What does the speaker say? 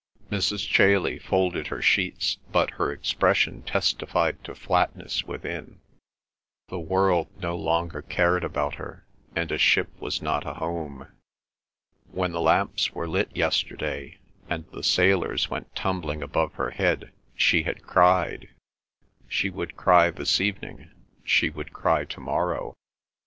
Mrs. Chailey folded her sheets, but her expression testified to flatness within. The world no longer cared about her, and a ship was not a home. When the lamps were lit yesterday, and the sailors went tumbling above her head, she had cried; she would cry this evening; she would cry to morrow.